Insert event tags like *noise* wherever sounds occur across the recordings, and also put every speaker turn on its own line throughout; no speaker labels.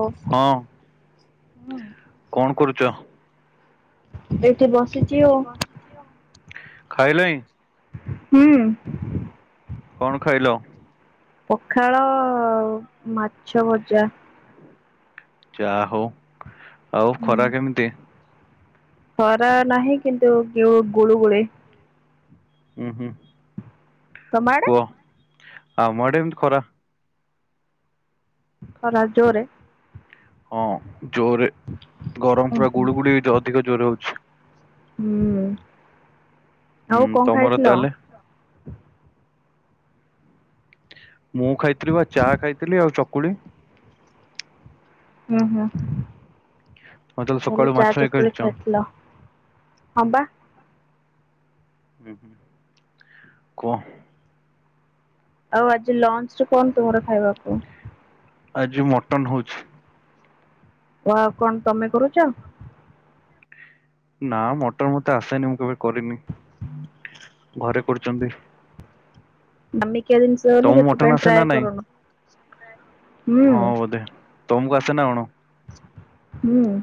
ହଉ, ହଁ।
ହଁ।
କଣ କରୁଚ?
ଏଇଠି ବସି
ଖାଇଲେଇଁ?
ହୁଁ।
କଣ ଖାଇଲ?
ପଖାଳ ଆଉ ମାଛ ଭଜା।
ଯାହଉ। ଆଉ
ହୁଁ
ଖରା କେମିତି?
ଖରା ନାହିଁ କିନ୍ତୁ କେଉଁ ଗୁଳୁଗୁଳି।
ଉଁ ହୁଁ।
ତମ ଆଡ଼େ?
କୁହ? ଆମ ଆଡ଼େ ଏମତି ଖରା।
ଖରା ଜୋରେ?
ହଁ ଜୋରେ, ଗରମ ପୁରା ଗୁଳୁ ଗୁଳି ଏଠି ଅଧିକ ଜୋରେ ହଉଛି।
ହୁଁ,
ହୁଁ
ଆଉ କଣ
ତମର
ଖାଇଥିଲ?
ତାହେଲେ ମୁଁ ଖାଇଥିଲି ବା ଚା ଖାଇଥିଲି, ଆଉ ଚକୁଳି।
ହୁଁ ହୁଁ
ଆଉ ତାହେଲେ
ତାଲେ
ସକାଳୁ ମାଛ
ଚା
ହେଇ
ଚକୁଳି
ଖାଇଛ। ହୁଁ
ଖାଇଥିଲ। ହଁ ବା।
ହୁଁ କ।
ଆଉ ଆଜି ଲଞ୍ଚ ରେ କଣ ତୁମର ଖାଇବା କୁହ?
ଆଜି ମଟନ ହଉଛି।
ଓ ଆଉ କଣ ତମେ କରୁଛ?
ନା ମଟନ ମତେ ଆସେନି ମୁଁ କେବେ କରିନି ଘରେ କରୁଛନ୍ତି।
ଦାମିକିଆ ଜିନିଷ ବୋଲି
ତମକୁ
ସେଥି
ମଟନ
ପାଇଁ
ଆସେ ନା
ଟ୍ରାଏ ଏ
ନାଇଁ
କରୁନ। ହୁଁ
ହଁ ବୋଧେ, ତମକୁ ଆସେନା କଣ?
ମୁଁ।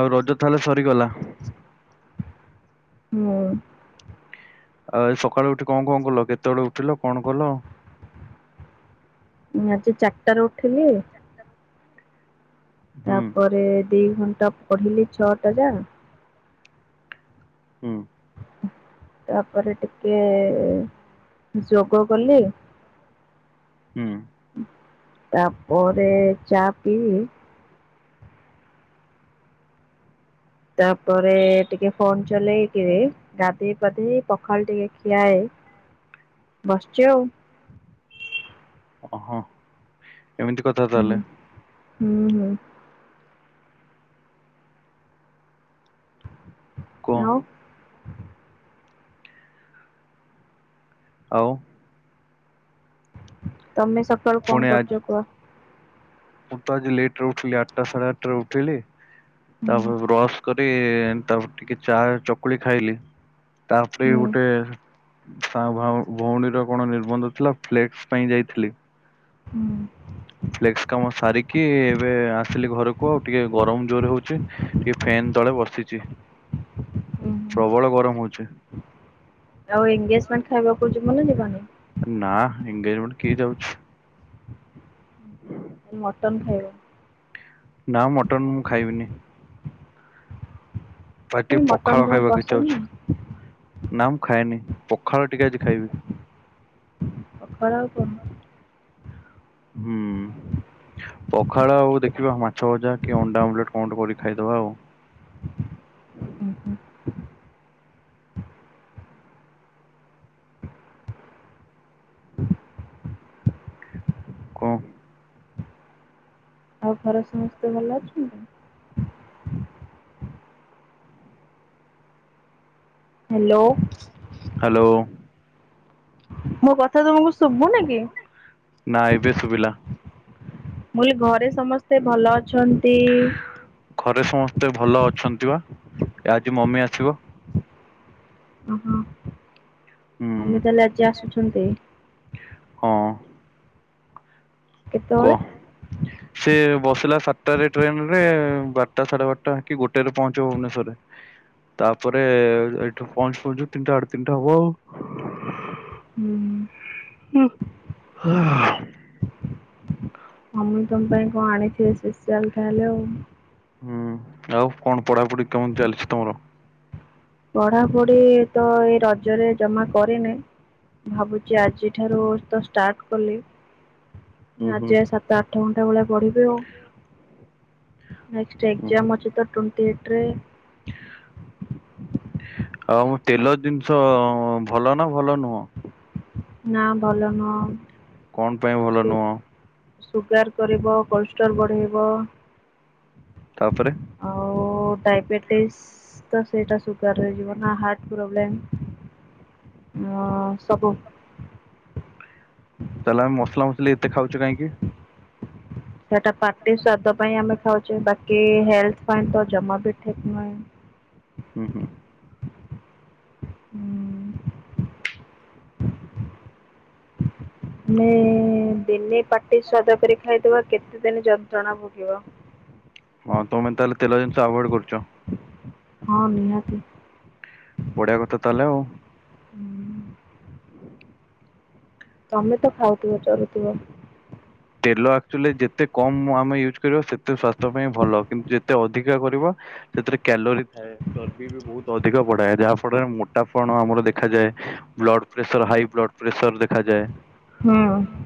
ଆଉ ରଜ ତାହେଲେ ସରିଗଲା।
ହୁଁ।
ଆଉ ଆଜି ସକାଳୁ ଉଠି କଣ କଣ କଲ? କେତେବେଳେ ଉଠିଲ କଣ କଲ?
ମୁଁ ଆଜି ଚାରିଟାରେ ଉଠିଲି।
ହୁଁ
ତାପରେ ଦିଇ ଘଣ୍ଟା ପଢ଼ିଲି ଛଅ ଟା ଯାଏ।
ହୁଁ।
ତାପରେ ଟିକେ ଯୋଗ କଲି।
ହୁଁ।
ତାପରେ ଚା ପିଇଲି। ତାପରେ ଟିକେ ଫୋନ ଚଲେଇକିରି ଗାଧେଇ ପାଧେଇ ପଖାଳ ଟିକେ ଖିଆଏ ବସିଚ ଆଉ।
ଓହୋ ଏମିତି କଥା
ହୁଁ
ତାହେଲେ।
ହୁଁ ହୁଁ।
କୁହ
ଆଉ?
ଆଉ?
ତମେ ସ
ପୁଣି ଆଜି, ମୁଁ ତ ଆଜି ଲେଟ ରେ ଉଠିଲି ଆଟା ସାଢ଼େ ଆଠ ଉଠିଲି
ହୁଁ
ତାପରେ ବ୍ରଶ କରି ତାପରେ ଟିକେ ଚା ଚକୁଳି ଖାଇଲି। ତାପରେ
ହୁଁ
ଗୋଟେ ତା ଭୋ ଭଉଣୀର କଣ ନିର୍ବନ୍ଧ ଥିଲା ଫ୍ଲେକ୍ସ ପାଇଁ ଯାଇଥିଲି।
ହୁଁ।
ଫ୍ଲେକ୍ସ କାମ ସାରିକି ଏବେ ଆସିଲି ଘରକୁ ଆଉ ଟିକେ ଗରମ ଜୋର ହଉଛି। ଟିକେ ଫେନ୍ ତଳେ ବସିଛି
ହୁଁ
ପ୍ରବଳ ଗରମ ହଉଛି।
ଆଉ ଏଗେଜମେଣ୍ଟ ଖାଇବାକୁ ଯିବ ନା ଯିବନି?
ନା ଏନଗେଜମେଣ୍ଟ କିଏ ଯାଉଛି?
ଖାଲି ମଟନ୍ ଖାଇବ।
ନା ମଟନ୍ ମୁଁ ଖାଇବିନି। ଟିକେ
କାଇଁ ମଟନ
ପଖାଳ
ତମକୁ
ଖାଇବାକୁ ଇଛା
ପସନ୍ଦ
ହଉଛି,
ନୁହଁ
ନା ମୁଁ ଖାଏନି ପଖାଳ ଟିକେ ଆଜି ଖାଇବି।
ପଖାଳ ଆଉ କଣ?
ହୁଁ। ପଖାଳ ଆଉ ଦେଖିବା ମାଛ ଭଜା କି ଅଣ୍ଡା ଅମଲେଟ କଣ ଟେ କରିକି ଖାଇଦବା ଆଉ।
ଉଁ ହୁଁ।
କ?
ଆଉ ଘରେ ସମସ୍ତେ ଭଲ ଅଛନ୍ତି? ହାଲୋ।
ହାଲୋ।
ମୋ କଥା ତମକୁ ଶୁବୁନି କି।
ନା ଏବେ ଶୁବିଲା।
ମୁଁ କହିଲି ଘରେ ସମସ୍ତେ ଭଲ ଅଛନ୍ତି।
ଘରେ ସମସ୍ତେ ଭଲ ଅଛନ୍ତି ବା ଏ ଆଜି ମମି ଆସିବ।
ଅହଁ।
ହୁଁ
ମମି ତାହେଲେ ଆଜି ଆସୁଛନ୍ତି।
ହଁ।
କେତେବେଳେ?
*unintelligible* ସେ ବସିଲା ସାତଟାରେ ଟ୍ରେନ ରେ ବାରଟା ସାଢେ ବାରଟା କି ଗୋଟେରେ ପହଞ୍ଚିବ ଭୁବନେଶ୍ଵରରେ। ତାପରେ ଏଇଠୁ ପହଞ୍ଚୁ ପହଞ୍ଚୁ ତିନିଟା ଆଢେ଼ ତିନିଟା ହବ ଆଉ।
ହୁଁ।
*unintelligible*
ମମି ତମ ପାଇଁ କଁ ଆଣିଥିବେ ସ୍ଫେଶିଆଲ ତାହେଲେ ଆଉ।
ହୁଁ ଆଉ କଣ ପଢାପଢି କେମିତି ଚାଲିଛି ତମର।
ପଢାପଢି ତ ଏଇ ରଜରେ ଜମା କରିନି। ଭାବୁଚି ଆଜିଠାରୁ ତ ଷ୍ଟାର୍ଟ କଲି।
ହୁଁ ହୁଁ
ଆଜି ଆଉ ସାତ ଆଠ ଘଣ୍ଟା ଭଳିଆ ପଢିବି ଆଉ। ନେକ୍ସଟ୍
ହୁଁ ହୁଁ।
ଏକ୍ସାମ୍ ଅଛି ତ ଟ୍ବେଣ୍ଟି ଏଇଟିରେ।
ଆଉ ମୁଁ ତେଲ ଜିନିଷ ଭଲ ନା ଭଲ ନୁହଁ।
ନା ଭଲ ନୁହଁ।
କଣ ପାଇଁ ଭଲ ନୁହଁ।
ସୁଗାର କରିବ କୋଲଷ୍ଟର୍ ବଢେଇବ।
ତାପରେ
ଆଉ ଡାଇବେଟିସ୍ ତ ସେଇଟା ସୁଗାରରେ ଯିବ ନା ହାର୍ଟ ପ୍ରୋବ୍ଲେମ୍ ମ ସବୁ।
ତାହେଲେ ଆମେ ମସଲା ମସଲି ଏତେ ଖାଉଚୁ କହିଁକି।
ସେଟା ପାଟି ସ୍ଵାଦ ପାଇଁ ଆମେ ଖାଉଚେ ବାକି ହେଲଥ୍ ପାଇଁ ତ ଜମା ବି ଠିକ୍ ନୁହେଁ।
ହୁଁ ହୁଁ।
ହୁଁ। ଆମେ ଦିନେ ପାଟି ସ୍ଵାଦ କରି ଖାଇଦବା କେତେ ଦିନି ଯନ୍ତ୍ରଣା ଭୋଗିବ।
ହଁ ତମେ ତାହେଲେ ତେଲ ଜିନିଷ ଆଭୋଏଡ୍ କରୁଚ।
ହଁ ନିହାତି।
ବଢିଆ କଥା ତାହେଲେ ଆଉ।
ତମେ ତ ଖାଉଥୁବ ଚରୁୁଥୁବ।
ତେଲ ଆକ୍ଚୋଲି ଯେତେ କମ ଆମେ ୟୁଜ୍ କରିବା ସେତେ ସ୍ଵାସ୍ଥ୍ୟ ପାଇଁ ଭଲ କିନ୍ତୁ ଯେତେ ଅଧିକା କରିବା ସେଥିରେ କ୍ୟାଲୋରି ଥାଏ। ଚର୍ବି ବି ବୋହୁତ ଅଧିକ ବଢାଏ ଯାହା ଫଳରେ ମୋଟା ପଣ ଆମର ଦେଖାଯାଏ। Blood pressure high blood pressure ଦେଖାଯାଏ।
ହୁଁ।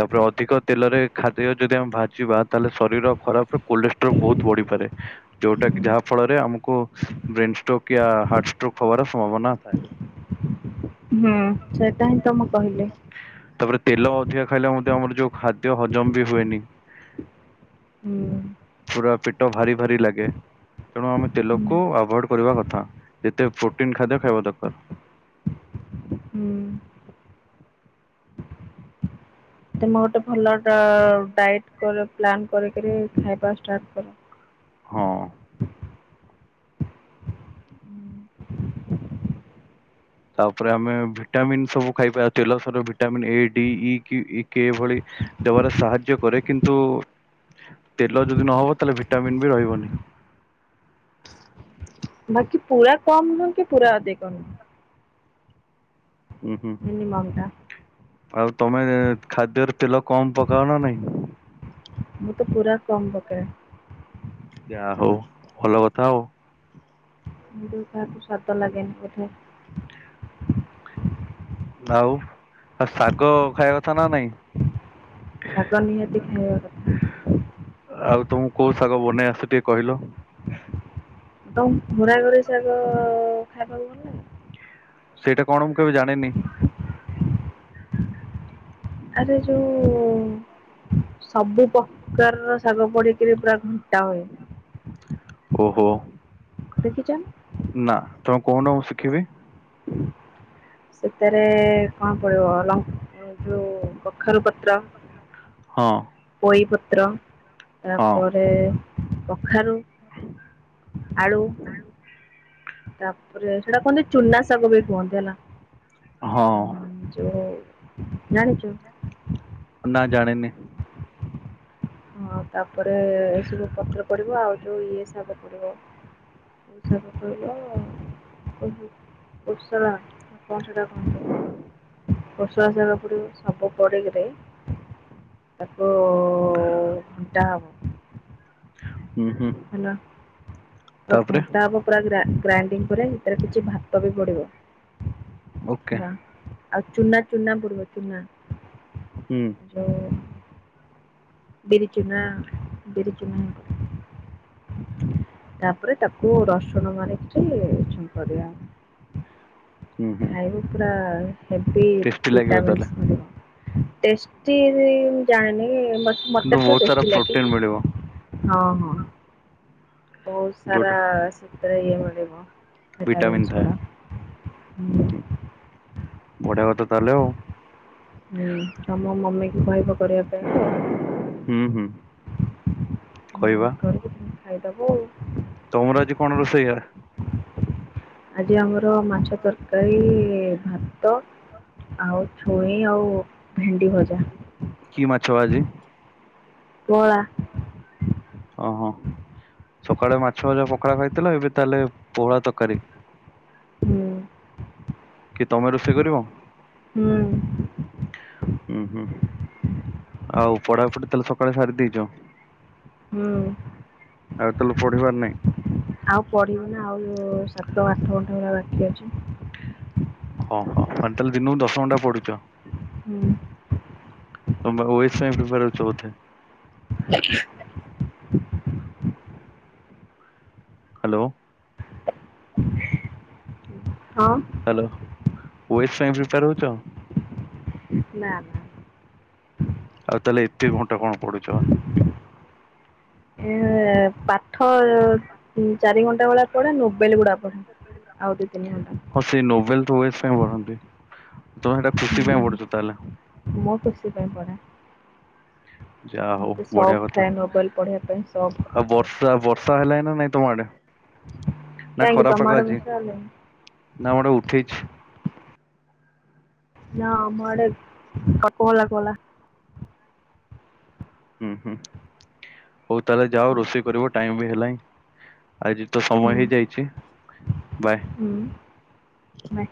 ତାପରେ ଅଧିକ ତେଲରେ ଖାଦ୍ୟ ଯଦି ଯଦି ଆମେ ଭା ଜିବା ତାହେଲେ ଶରୀର ଖରାପରେ କୋଲେଷ୍ଟ୍ରୋର ବୋହୁତ ବଢିପାରେ। ଯୋଉଟା କି ଯାହା ଫଳରେ ଆମୁକୁ ବ୍ରେନ ଷ୍ଟ୍ରୋକ୍ କି ଆ ହାର୍ଟ ଷ୍ଟ୍ରୋକ୍ ହବାର ସମ୍ଭାବନା ଥାଏ।
ହୁଁ ସେଇଟା ହିଁ ତ ମୁଁ କହିଲି।
ତାପରେ ତେଲ ଅଧିକା ଖାଇଲେ ମଧ୍ୟ ଆମର ଯୋଉ ଖାଦ୍ୟ ହଜମ ବି ହୁଏନି।
ହୁଁ।
ପୁରା ପେଟ ଭାରି ଭାରି ଲାଗେ। ତେଣୁ ଆମେ ତେଲକୁ
ହୁଁ
ଆଭୋଏଡ୍ କରିବା କଥା ଯେତେ ପ୍ରୋଟିନ୍ ଖାଦ୍ୟ ଖାଇବା ଦରକାର।
ହୁଁ। ତମେ ଗୋଟେ ଭଲ ଡ ଡାଏଟ କର ପ୍ଲାନ୍ କରିକିନି ଖାଇବା ଷ୍ଟାର୍ଟ କର।
ହଁ। ତାପରେ ଆମେ ଭିଟାମିନ୍ ସବୁ ଖାଇବା ତେଲସର vitamin A D E K ଭଳି। ଦେବାରେ ସାହାଯ୍ୟ କରେ କିନ୍ତୁ ତେଲ ଯଦି ନହବ ତାହେଲେ ଭିଟାମିିନ ବି ରହିବନି।
ବାକି ପୁରା କମ ନୁହଁ କି ପୁରା ଅଧିକ ନୁହଁ।
ହୁଁ ହୁଁ।
ମିନିମମ୍ ଟା
ଆଉ ତମେ ଖାଦ୍ୟର ତେଲ କମ୍ ପକାଅ ନା ନାଇଁ।
ମୁଁ ତ ପୁରା କମ୍ ପକାଏ।
ଯା ହଉ ଭଲ କଥା ଆଉ।
କାହାକୁ ସ୍ୱାଦ ଲାଗେନି ବଧେ।
ଆଉ ଆଉ ଶାଗ ଖାଇବା କଥା ନା ନାଇଁ?
ଶାଗ ନିହାତି ଖାଇବା କଥା।
ଆଉ ତମକୁ କୋଉ ଶାଗ ବନେଇ ଆସେ ଟିକେ କହିଲ।
ତମ ଘୁରା ଘୁରି ଶାଗ ଖାଇବାକୁ ଭଲ ଲାଗେ?
ସେଇଟା କଣ ମୁଁ କେବେ ଜାଣିନି।
ଆରେ ଯୋଉ ସବୁ ପକାର ର ଶାଗ ପଡି ପୁରା ଘଣ୍ଟା ହଏ।
ଓହୋ।
ଦେଖିଛ।
ନା ତମ କହୁନ ମୁଁ ଶିଖିବି।
*inaudible* ସେତାରେ କଣ ପଡିବ ଲ ଯୋଉ କଖାରୁ ପତ୍ର।
ହଁ।
ପୋଇପତ୍ର
ହଁ
ତାପରେ କଖାରୁ ଆଳୁ। ତାପରେ ସେଟା କୁହନ୍ତି ଚୁନା ଶାଗ ବି କୁହନ୍ତି ହେଲା।
ହଁ
ହୁଁ ଯଉ ଜାଣିଛୁ।
ନା ଜଣିନି।
ହଁ ତାପରେ ଏସବୁ ପତ୍ର ପଡିବ ଆଉ ଯୋଉ ଇଏ ଶାଗ ପଡିବ। କୋଉଁ ଶାଗ କହିଲ *unintelligible* କୋସଳା କଣ ସେଟା କହନ୍ତି। କୁଶଳା ଶାଗ ପଡିବ ସବୁ ପଡିକିରେ ତାକୁ ଘଣ୍ଟା ହବ।
ହୁଁ, ହୁଁ।
ହେଲା
ତାପରେ
ଘଣ୍ଟା ହବ ପୁରା ଗ୍ରା ଗ୍ରାଇଣ୍ଡିଙ୍ଗ ପରେ ସେଥିରେ କିଛି ଭାତ ବି ପଡିବ।
ଓକେ
ହେଲା ଆଉ ଚୁନା ଚୁନା ପଡିବ ଚୁନା।
ହୁଁ।
ଯଉ। ବିରି ଚୁନା ବିରି ଚୁନା। ତାପରେ ତାକୁ ରସୁଣ ମାରିକି ଛୁଙ୍କ ଦିଆ
ହୁଁ ହୁଁ
ଖାଇଲେ ପୁରା ହେବି
ଟେଷ୍ଟି ଲାଗିବ ତାହେଲେ
ଭିଟାମିନ୍ସ ମିଳିବ। ଟେଷ୍ଟି ମୁ ଜାଣିନି
କିନ୍ତୁ
ମତେ ତ
ବହୁତ ସାରା
ଟେଷ୍ଟି ଲାଗେ।
ପ୍ରୋଟିନ ମିଳିବ
ହଁ, ହଁ। ବହୁତ ସାରା
ଯୋଉଟା
ସତରେ ଇଏ ମିଳିବ
ଭିଟାମିନ୍
ଭିଟାମିନ୍ସ
ଥାଏ
ଗୁରା।
ହୁଁ ହୁଁ ବଢିଆ କଥା ତାହେଲେ ଆଉ।
ହୁଁ ତମ ମମିକୁ କହିବ କରିବା ପାଇଁ ହେଲା
ହୁଁ, ହୁଁ। କହିବା
ମମି କରିବେ ତମେ ଖାଇଦବ ଆଉ।
ତମର ଆଜି କଣ ରୋଷେଇ?
ଆଜି ଆମର ମାଛ ତରକାରୀ ଭା ଭାତ ଆଉ ଛୁଇଁ ଆଉ ଭେଣ୍ଡି ଭଜା।
କି ମାଛ ଆଜି?
ପୋହଳା।
ଓହୋ ସକାଳେ ମାଛ ଭଜା ପଖାଳ ଖାଇଥିଲ ଏବେ ତାହେଲେ ପୋହଳା ତରକାରୀ।
ହୁଁ।
କି ତମେ ରୋଷେଇ କରିବ?
ହୁଁ।
ହୁଁ ହୁଁ। ଆଉ ପଢା ପଢି ତାହେଲେ ସକାଳେ ସାରି ଦେଇଛ?
ହଁ।
ଆଉ ତାହାଲେ ପଢିବାର ନାଇଁ?
ଆଉ ପଢିବ ନା ଆଉ ସାତ ଆଠ ଘଣ୍ଟା ହେ ବାକି ଅଛି।
ଓହୋ ତାହାଲେ ଦିନକୁ ଦଶ ଘଣ୍ଟା ପଢ଼ୁଚ?
ହୁଁ।
ତମେ ପା ଓଏସ ପାଇଁ ପ୍ରିପେୟାର ହଉଚ ବୋଧେ?
*inaudible*
ହ୍ୟାଲୋ।
ହଁ।
ହ୍ୟାଲୋ ଓଏସ୍ ପାଇଁ ପ୍ରିପେୟାର ହଉଛ?
ନା ନା।
ଆଉ ତାହାଲେ ଏତେ ଘଣ୍ଟା କଣ ପଡୁଛ।
ଏ ପାଠ ଚାରି ଘଣ୍ଟା ଭଳିଆ ପଢେ ନୋବେଲ ଗୁଡ଼ା ପଢେ ଆଉ ଦି ତିନି ଘଣ୍ଟା।
ସେ ନୋଭେଲ ତ ଓଏସ ପାଇଁ ପଢନ୍ତି ତମେ ସେଇଟା ଖୁସି ପାଇଁ ପଢୁଛ ତାହେଲେ?
ମୋ ଖୁସି ପାଇଁ ପଢେ।
ଯା ହଉ
ମତେ
ବଢିଆ
ସଉକ
କଥା
ଥାଏ ନୋବେଲ ପଢିବା ପାଇଁ ସଉକ।
ଆଉ ବର୍ଷା ବର୍ଷା ହେଲାଣୀ ନା ନାଇଁ ତମ ଆଡେ? ନା
କାହିଁକି
ଖରା
ତମ
ପାଗ
ଆଡେ
ଆଜି
ବର୍ଷା ହେଲାଣି
ନା ଆମର ଉଠେଇଛି।
ନା ଆମ ଆଡେ କୋହଲା କୋହଲା।
ହୁଁ ହୁଁ ହଉ ତାହେଲେ ଯାଅ ରୋଷେଇ କରିବ ଟାଇମ ବି ହେଲାଣିି। ଆଜି ତ ସମୟ ହେଇଯାଇଛି ବାଏ।
ହ ବାଏ।